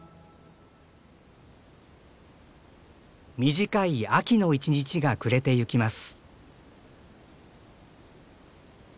短い秋の一日が暮れてゆきます。